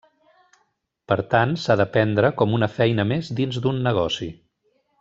Per tant, s'ha de prendre com una feina més dins d'un negoci.